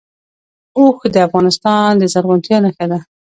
اوښ د افغانستان د زرغونتیا نښه ده.